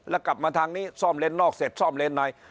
แล้วกลับมาทางนี้ซ่อมเลนนอกเสร็จซ่อมเลนใน